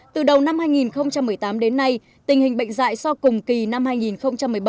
từ đầu năm hai nghìn một mươi tám đến nay tình hình bệnh dạy so cùng kỳ năm hai nghìn một mươi bảy